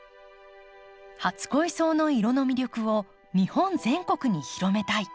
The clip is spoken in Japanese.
初恋草の色の魅力を日本全国に広めたい。